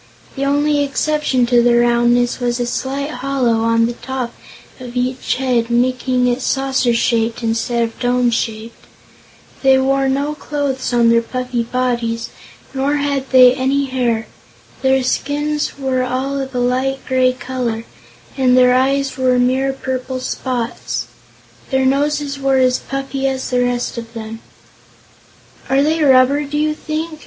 The only exception to the roundness was a slight hollow on the top of each head, making it saucer shaped instead of dome shaped. They wore no clothes on their puffy bodies, nor had they any hair. Their skins were all of a light gray color, and their eyes were mere purple spots. Their noses were as puffy as the rest of them. "Are they rubber, do you think?"